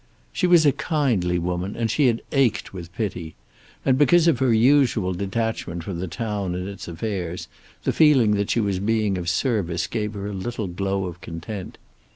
She was a kindly woman, and she had ached with pity. And, because of her usual detachment from the town and its affairs, the feeling that she was being of service gave her a little glow of content.